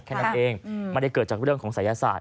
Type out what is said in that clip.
แค่นั้นเองไม่ได้เกิดจากเรื่องของศัยศาสต